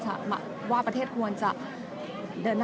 และที่อยู่ด้านหลังคุณยิ่งรักนะคะก็คือนางสาวคัตยาสวัสดีผลนะคะ